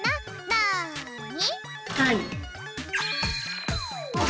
なに？